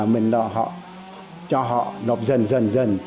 mình đọa họ cho họ nộp dần dần dần